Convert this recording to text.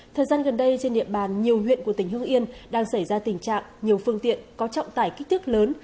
thời gian gần đây trên địa bàn nhiều huyện của tỉnh hương yên đang xảy ra tình trạng nhiều phương tiện có trọng tải kích thước lớn